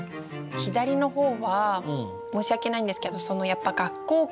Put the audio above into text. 左の方は申し訳ないんですけど学校感？